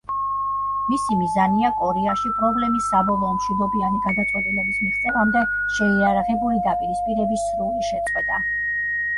მისი მიზანია „კორეაში პრობლემის საბოლოო მშვიდობიანი გადაწყვეტილების მიღწევამდე შეიარაღებული დაპირისპირების სრული შეწყვეტა“.